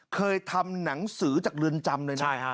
เคยทำหนังสือจากเรือนจำ